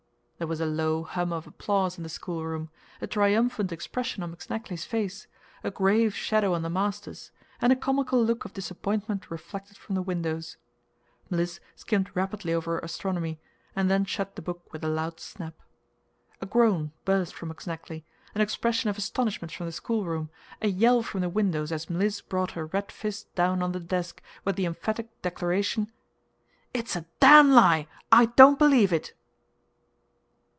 There was a low hum of applause in the schoolroom, a triumphant expression on McSnagley's face, a grave shadow on the master's, and a comical look of disappointment reflected from the windows. Mliss skimmed rapidly over her astronomy, and then shut the book with a loud snap. A groan burst from McSnagley, an expression of astonishment from the schoolroom, a yell from the windows, as Mliss brought her red fist down on the desk, with the emphatic declaration: "It's a damn lie. I don't believe it!"